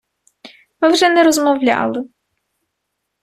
Ми вже не розмовляли.